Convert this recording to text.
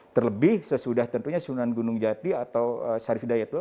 terlebih sesudah tentunya sunan gunung jati atau sarifudaya itu